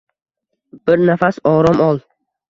Bir nafas orom ol